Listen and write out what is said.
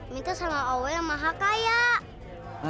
minta sama allah yang maha kaya